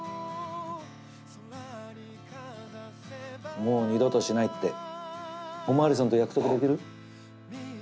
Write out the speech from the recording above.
もう二度としないってお巡りさんと約束できる？